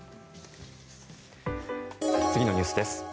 次のニュースです。